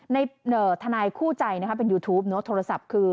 ในท่านายคู่ใจนะครับเป็นยูทูปโทรศัพท์คือ